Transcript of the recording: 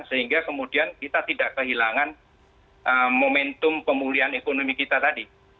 sehingga kemudian kita tidak kehilangan momentum pemulihan ekonomi kita tadi